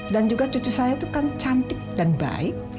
dan juga cucu saya itu kan cantik dan baik